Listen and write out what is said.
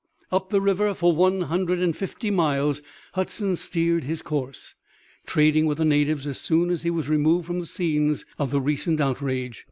Up the river for one hundred and fifty miles Hudson steered his course, trading with the natives as soon as he was removed from the scenes of the recent outrage.